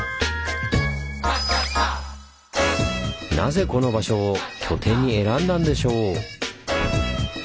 なぜこの場所を拠点に選んだんでしょう？